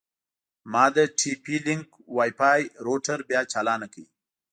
ما د ټي پي لینک وای فای روټر بیا چالان کړ.